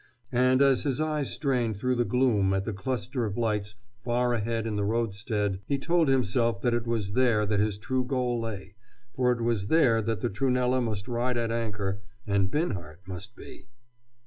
And as his eyes strained through the gloom at the cluster of lights far ahead in the roadstead he told himself that it was there that his true goal lay, for it was there that the Trunella must ride at anchor and Binhart must be.